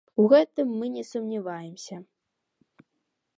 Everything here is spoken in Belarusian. У гэтым мы не сумняваемся.